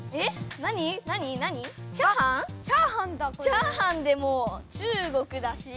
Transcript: チャーハンでも中国だし。